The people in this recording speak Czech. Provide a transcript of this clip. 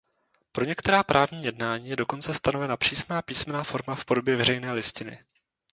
Pro některá právní jednání je dokonce stanovena přísná písemná forma v podobě veřejné listiny.